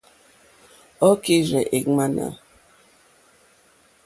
Ɔ́ kírzɛ́ è ŋmánà.